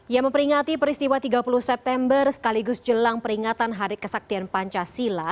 yang memperingati peristiwa tiga puluh september sekaligus jelang peringatan hari kesaktian pancasila